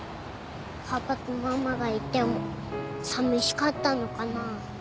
パパとママがいてもさみしかったのかな。